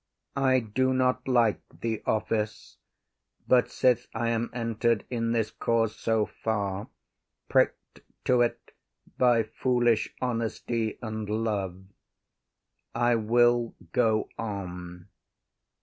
IAGO. I do not like the office, But sith I am enter’d in this cause so far, Prick’d to ’t by foolish honesty and love, I will go on.